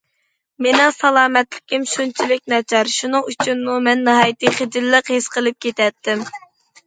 مېنىڭ سالامەتلىكىم شۇنچىلىك ناچار، شۇنىڭ ئۈچۈنمۇ مەن ناھايىتى خىجىللىق ھېس قىلىپ كېتەتتىم.